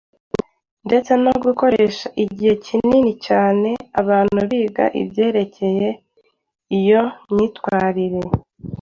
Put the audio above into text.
ndetse no gukoresha igihe kinini cyane abantu biga ibyerekeye iyo myitwarire.